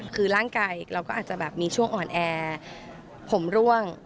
คือร่างกายเราก็อาจจะแบบมีช่วงอ่อนแอผมร่วง